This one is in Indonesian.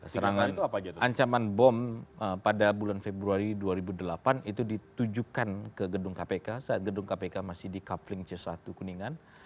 serangan ancaman bom pada bulan februari dua ribu delapan itu ditujukan ke gedung kpk saat gedung kpk masih di coupling c satu kuningan